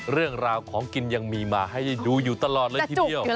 เรื่องราวของกินยังมีมาให้ดูอยู่ตลอดเลยทีเดียว